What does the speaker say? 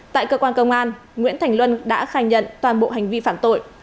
tại cơ quan công an nguyễn thành luân đã khai nhận toàn bộ hành vi phạm tội